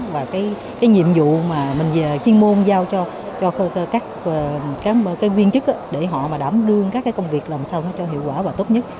và cái nhiệm vụ mà mình chuyên môn giao cho các viên chức để họ đảm đương các công việc làm sao cho hiệu quả và tốt nhất